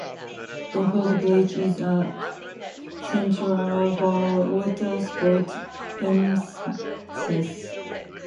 Dunford Bridge is a centre for watersports enthusiasts.